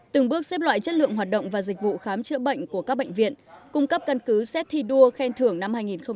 từng bước xếp loại chất lượng hoạt động và dịch vụ khám chữa bệnh của các bệnh viện cung cấp căn cứ xét thi đua khen thưởng năm hai nghìn một mươi chín